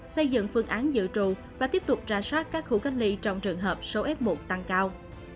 xây dựng phương án dự trù và tiếp tục ra soát các khu cách ly trong trường hợp số f một tăng cao